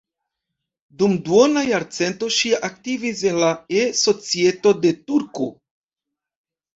Dum duona jarcento ŝi aktivis en la E-Societo de Turku.